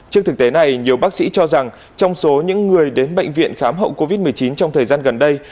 trước thực tế này nhiều bác sĩ cho rằng trong số những người đến bệnh viện khám hậu covid một mươi chín trong thời gian gần đây